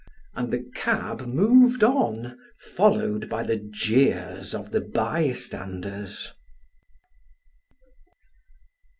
and the cab moved on, followed by the jeers of the bystanders.